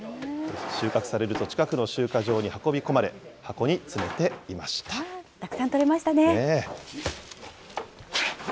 収穫されると、近くの集荷場に運び込まれ、箱に詰めていました。